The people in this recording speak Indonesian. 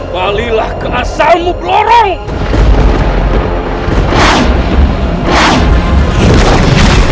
balilah ke asalmu blorong